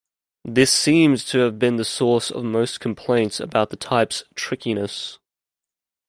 This seems to have been the source of most complaints about the type's "trickiness".